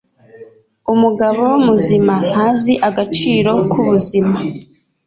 Umugabo muzima ntazi agaciro kubuzima.